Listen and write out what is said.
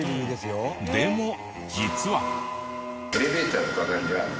でも実は。